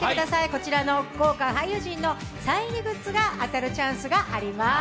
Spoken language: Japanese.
こちらの豪華俳優陣のサイン入りグッズが当たるチャンスがあります。